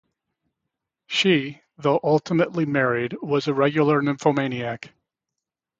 She, though ultimately married, was a regular nymphomaniac.